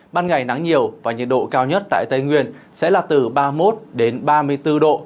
ban ngày nắng nhiều và nhiệt độ cao nhất tại tây nguyên sẽ là từ ba mươi một ba mươi bốn độ